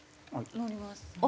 乗ります。